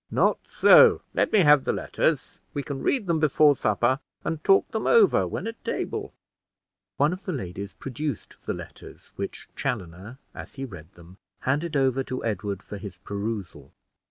"Not so; let me have the letters; we can read them before supper, and talk them over when at table." One of the ladies produced the letters, which Chaloner, as he read them, handed over to Edward for his perusal.